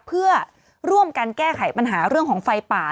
เพื่อร่วมกันแก้ไขปัญหาเรื่องของไฟป่า